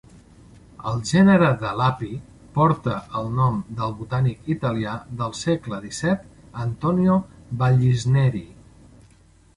El gènere de l'api porta el nom del botànic italià del segle XVII Antonio Vallisneri.